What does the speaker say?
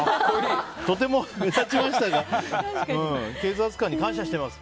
とても目立ちましたが警察官に感謝しています。